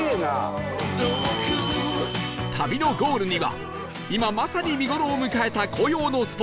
旅のゴールには今まさに見頃を迎えた紅葉のスポット